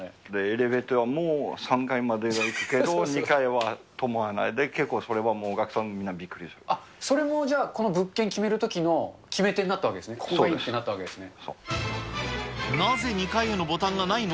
エレベーターも３階までは行くけど、２階は止まらないで、結構、それはお客さんもみんなびっくりそれもじゃあ、この物件決めるときの決め手になったわけですね、ここがいいってなったわけですね。